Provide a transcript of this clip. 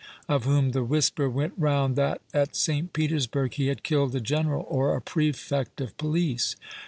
of whom the whisper Avent round that at St. Petersburg he had killed a general or a prefect of police."